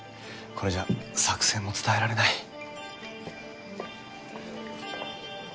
これじゃ作戦も伝えられない。